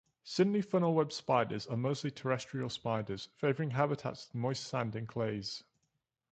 Sydney funnel-web spiders are mostly terrestrial spiders, favouring habitats with moist sand and clays.